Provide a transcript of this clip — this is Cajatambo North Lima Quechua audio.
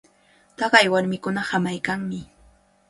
Taqay warmikunaqa hamaykanmi.